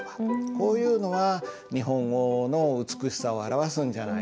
こういうのは日本語の美しさを表すんじゃないでしょうか。